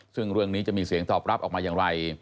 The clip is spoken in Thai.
ซึ่งเรื่องนี้จะมีเสียงตอบรับออกมาอย่างไร